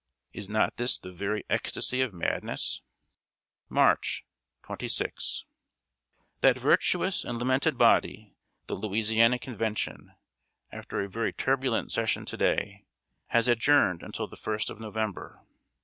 Is not this the very ecstasy of madness? March 26. That virtuous and lamented body, the Louisiana Convention, after a very turbulent session to day, has adjourned until the 1st of November.